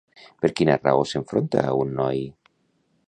Per quina raó s'enfronta a un noi?